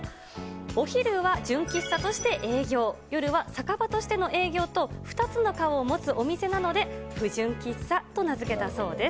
お昼は純喫茶として営業、夜は酒場としての営業と２つの顔を持つお店なので、不純喫茶と名付けたそうです。